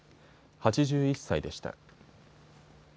８１歳でした。